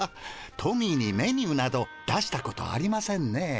トミーにメニューなど出したことありませんね。